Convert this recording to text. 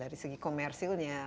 dari segi komersilnya